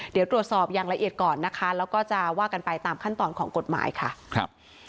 เดี๋ยวตรวจสอบอย่างละเอียดก่อนนะคะแล้วก็จะว่ากันไปตามขั้นตอนของกฎหมายค่ะครับ